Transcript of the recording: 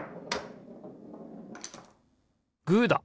グーだ！